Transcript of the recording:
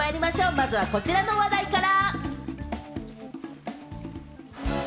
まずは、こちらの話題から。